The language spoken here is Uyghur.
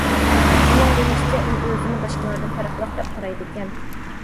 ئۇنىڭ دېيىشىچە ئۇ ئۆزىنى باشقىلاردىن پەرقلىق دەپ قارايدىكەن.